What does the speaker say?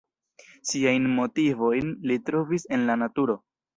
Siajn motivojn li trovis en la naturo.